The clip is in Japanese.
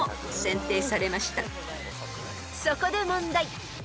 ［そこで問題］